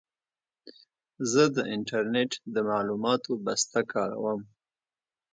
زه د انټرنېټ د معلوماتو بسته کاروم.